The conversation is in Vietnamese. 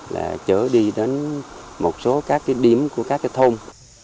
là chữa đi đến một số các cái điểm của các cái thôn